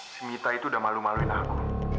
si mita itu udah malu maluin aku